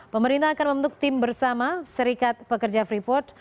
pemerintah akan membentuk tim bersama serikat pekerja freeport